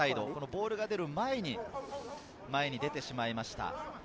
ボールが出る前に前に出てしまいました。